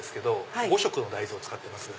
５色の大豆を使ってます。